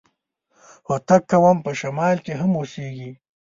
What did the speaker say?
هوتک قوم په شمال کي هم اوسېږي.